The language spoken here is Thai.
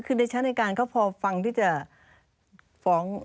คือในชั้นอายการก็พอฟังที่จะฟ้อง